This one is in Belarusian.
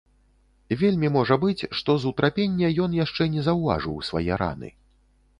Вельмі можа быць, што з утрапення ён яшчэ не заўважыў свае раны.